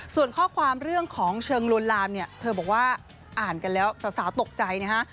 ส่วนข้อความเรื่องของเชิงลวนลามเนี่ยเธอบอกว่าอ่านกันแล้วสาวตกใจนะฮะ